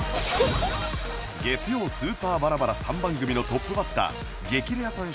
月曜スーパーバラバラ３番組のトップバッター『激レアさん』